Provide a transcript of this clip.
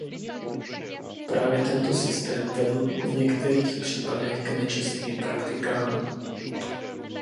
Právě tento systém vedl v některých případech k nečestným praktikám.